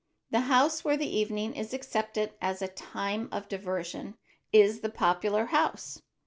The house where the evening is accepted as a time of diversion is the popular house.